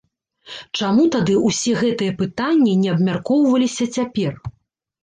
Чаму тады ўсе гэтыя пытанні не абмяркоўваліся цяпер?